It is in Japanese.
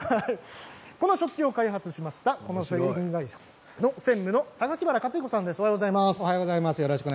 この食器を開発した食品会社の専務の榊原勝彦さんです。